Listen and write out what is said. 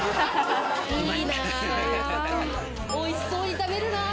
いいな、おいしそうに食べるな。